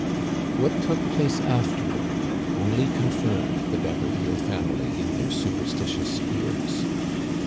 What took place afterward only confirmed the D'Ha berville family in their superstitious fears.